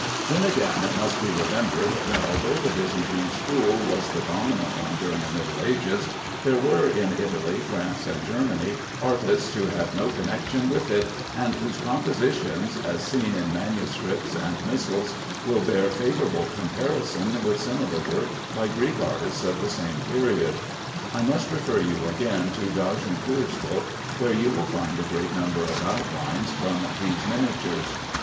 Then again it must be remembered that although the Byzantine school was the dominant one during the Middle Ages, there were, in Italy, France, and Germany, artists who had no connection with it, and whose compositions, as seen in manuscripts and missals, will bear favorable comparison with similar work by Greek artists of the same period. I must refer you again to d'Agincourt's book, where you will find a great number of outlines from these miniatures.